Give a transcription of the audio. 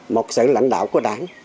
một sự lãnh đạo của đảng